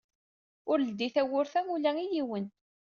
Ur leddi tawwurt-a ula i yiwen.